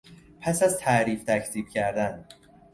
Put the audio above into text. پس از تعریف تکذیب کردن